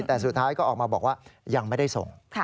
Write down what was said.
แต่สุดท้ายก็ออกมาบอกว่ายังไม่ได้ส่ง